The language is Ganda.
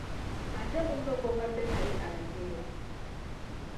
Ate munno gw'obadde naye alaze wa?